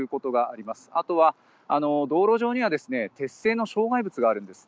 あとは道路上には鉄製の障害物があるんです。